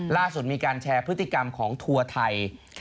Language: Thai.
ล่าสุดมีการแชร์พฤติกรรมของทัวร์ไทย